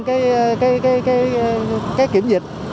cái kiểm dịch